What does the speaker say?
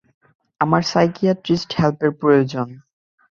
আমার সাইকিয়াট্রিক হেল্পের প্রয়োজন।